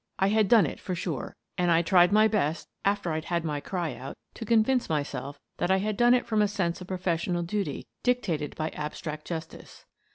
I had done it for sure, and I tried my best, afteV I'd had my cry out, to convince myself that I had done it from a sense of professional duty dictated by ab stract justice.